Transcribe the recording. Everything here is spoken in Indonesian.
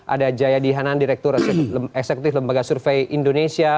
ada jayadi hanan direktur eksekutif lembaga survei indonesia